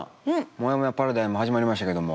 「もやもやパラダイム」始まりましたけども。